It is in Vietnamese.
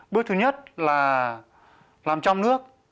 bước thứ nhất là làm trong nước